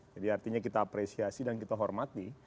jadi artinya kita apresiasi dan kita hormati